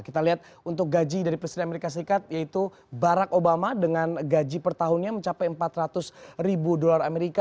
kita lihat untuk gaji dari presiden amerika serikat yaitu barack obama dengan gaji per tahunnya mencapai empat ratus ribu dolar amerika